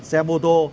xe mô tô